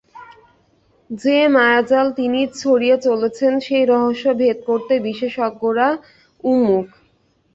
যে মায়াজাল তিনি ছড়িয়ে চলেছেন, সেই রহস্য ভেদ করতে বিশেষজ্ঞরা উন্মুখ।